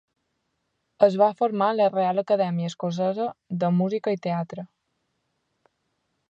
Es va formar a la Reial Acadèmia Escocesa de Música i Teatre.